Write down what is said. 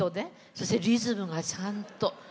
そして、リズムがちゃんと。